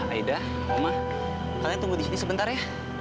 aida oma kalian tunggu di sini sebentar ya